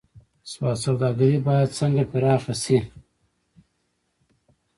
سوداګري باید څنګه پراخه شي؟